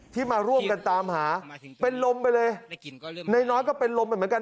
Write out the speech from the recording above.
มาร่วมกันตามหาเป็นลมไปเลยนายน้อยก็เป็นลมไปเหมือนกัน